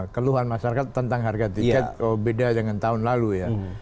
keluhan masyarakat tentang harga tiket beda dengan tahun lalu ya